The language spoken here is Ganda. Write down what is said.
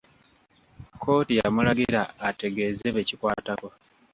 Kkooti yamulagira ategeeze bekikwatako.